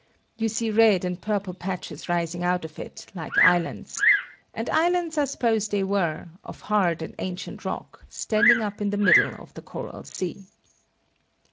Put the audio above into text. You see red and purple patches rising out of it, like islands and islands I suppose they were, of hard and ancient rock, standing up in the middle of the coral sea.